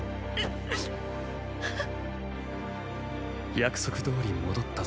約束どおり戻ったぞ。